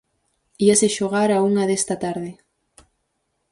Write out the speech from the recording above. Íase xogar á unha desta tarde.